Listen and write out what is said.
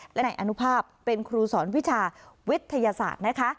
และนายอนุภาพเป็นครูสอนวิชาวิทยาศาสตร์นะคะ